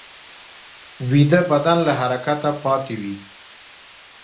ویده بدن له حرکته پاتې وي